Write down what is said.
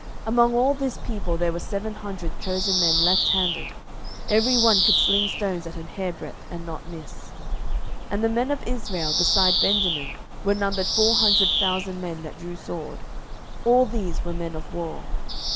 07:020:016 Among all this people there were seven hundred chosen men lefthanded; every one could sling stones at an hair breadth, and not miss. 07:020:017 And the men of Israel, beside Benjamin, were numbered four hundred thousand men that drew sword: all these were men of war.